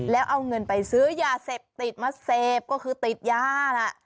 แล้วเอาเงินไปซื้อยาเสพติดมาเสพก็คือติดยาแหละ